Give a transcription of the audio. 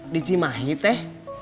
di cimahi teh